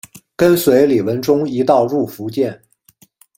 跟随李文忠一道入福建。